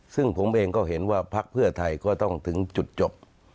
ซึ่งผมเองก็เห็นว่าพักเพื่อไทยก็ต้องถึงจุดจบ